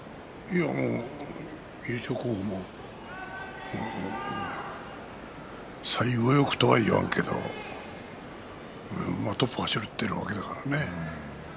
優勝候補も最有力とは言わんけどトップを走っているわけだからね。